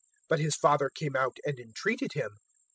But his father came out and entreated him.